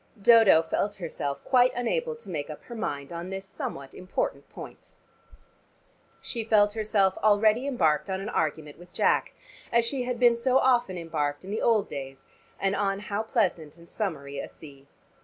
Dodo felt herself quite unable to make up her mind on this somewhat important point. She felt herself already embarked on an argument with Jack, as she had been so often embarked in the old days, and on how pleasant and summery a sea.